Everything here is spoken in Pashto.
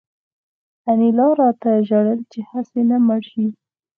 انیلا راته ژړل چې هسې نه مړ شې